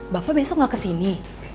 bapak besok gak kesini